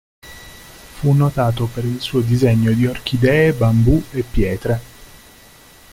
Fu notato per il suo disegno di orchidee, bambù e pietre.